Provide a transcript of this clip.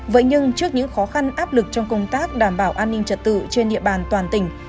vậy nhưng trước những khó khăn áp lực trong công tác đảm bảo an ninh trật tự trên địa bàn toàn tỉnh